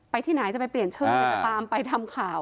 ที่ไหนจะไปเปลี่ยนชื่อจะตามไปทำข่าว